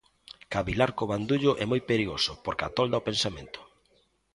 Cavilar co bandullo é moi perigoso porque atolda o pensamento.